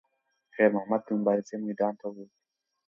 خیر محمد د مبارزې میدان ته وووت.